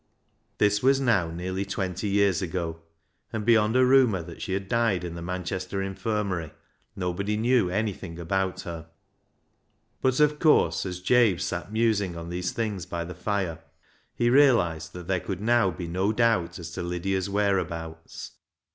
This was now nearly twenty years ago, and beyond a rumour that she had died in the Manchester Infirmary, nobody knew anything about her. But, of course, as Jabe sat musing on these things by the fire, he realised that there could now be no doubt as to Lydia's whereabouts.